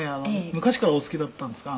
昔からお好きだったんですか？」